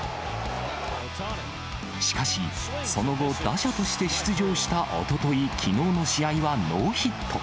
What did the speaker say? しかし、その後、打者として出場したおととい、きのうの試合はノーヒット。